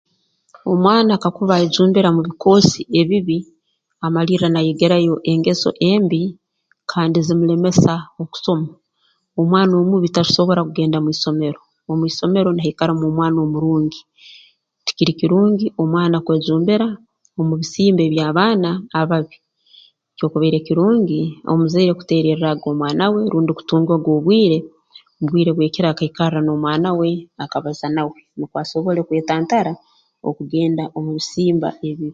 Omwana kakuba ayejumbira mu bikoosi ebibi amalirra naayegerayo engeso embi kandi zimulemesa okusoma omwana omubi tasobora kugenda mu isomero omu isomero nihaikaramu omwana omurungi tikiri kirungi omwana kwejumbira omu bisimba eby'abaana ababi kyokubaire kirungi omuzaire kuteererraaga omwana we rundi kutunga obwire mu bwire bw'ekiro akaikarra n'omwana we akabaza nawe nukwo asobole kwetantara okugenda omu bisimba ebibi